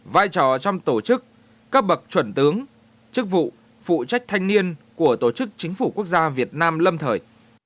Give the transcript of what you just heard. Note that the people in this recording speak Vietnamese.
vai trò trong tổ chức cấp bậc chuẩn tướng chức vụ phụ trách thanh niên của tổ chức chính phủ quốc gia việt nam lâm thời